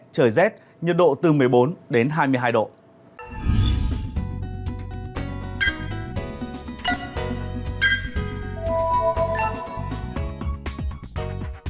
trời rét nhiệt độ từ một mươi bốn đến hai mươi hai độ